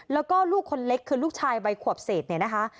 แล้วก็ลูกคนเล็กคือลูกชายวัยขวบเศษเนี่ยนะคะ